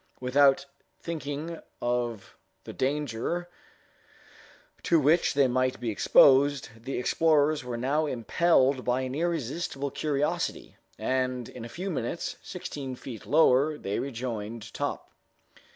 Without thinking of the danger to which they might be exposed, the explorers were now impelled by an irresistible curiosity, and in a few minutes, sixteen feet lower they rejoined Top.